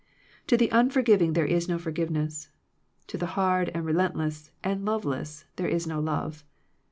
To the unforgiving there is no for giveness. To the hard, and relentless, and loveless, there is no love.